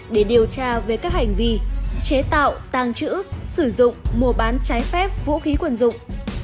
để điều tra về các hành vi chế tạo tăng trữ sử dụng mua bán trái phép vũ khí quần dụng